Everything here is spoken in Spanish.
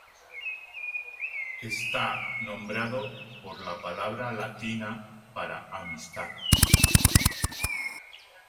Está nombrado por la palabra latina para "amistad".